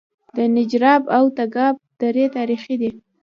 د نجراب او تګاب درې تاریخي دي